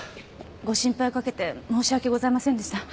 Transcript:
ご心配かけて申し訳ございませんでした。